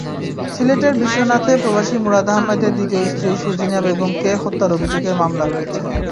সিলেটের বিশ্বনাথে প্রবাসী মুরাদ আহমদের দ্বিতীয় স্ত্রী সুজিনা বেগমকে হত্যার অভিযোগে মামলা হয়েছে।